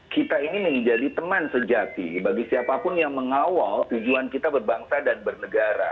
kita ini menjadi teman sejati bagi siapapun yang mengawal tujuan kita berbangsa dan bernegara